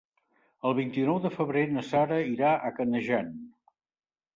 El vint-i-nou de febrer na Sara irà a Canejan.